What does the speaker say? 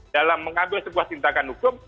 dalam mengambil sebuah tindakan hukum